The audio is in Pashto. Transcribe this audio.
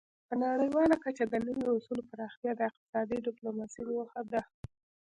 په نړیواله کچه د نوي اصولو پراختیا د اقتصادي ډیپلوماسي موخه ده